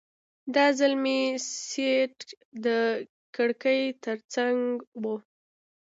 دا ځل مې سیټ د کړکۍ ترڅنګ و.